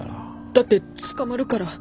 だって捕まるから。